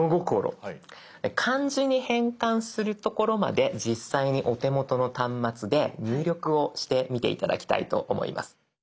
漢字に変換するところまで実際にお手元の端末で入力をしてみて頂きたいと思います。